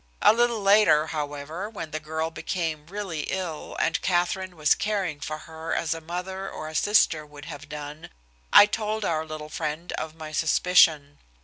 A little later, however, when the girl became really ill and Katherine was caring for her as a mother or a sister would have done, I told our little friend of my suspicion.